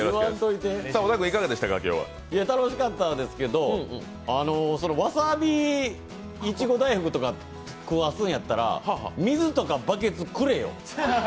楽しかったですけど、わさびいちご大福とか食わすんやったら水とかバケツ、くれよ。